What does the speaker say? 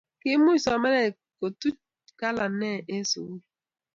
kiimuch somanee kutech kalane en sukul